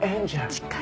近い。